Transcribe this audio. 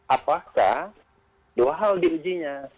apakah dua hal diujinya